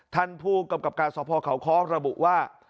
ท่านภูกรรมการสอบพอข่าวค้อระบุว่า